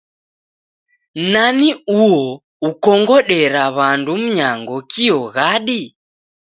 Nani uo ukongodera w'andu mnyango kio ghadi?